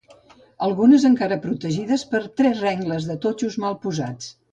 Algunes encara protegides per tres rengles de totxos mal posats.